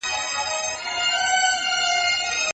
ماسک وکاروه که اړتيا وي